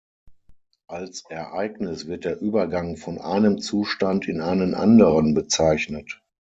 Als Ereignis wird der Übergang von einem Zustand in einen anderen bezeichnet.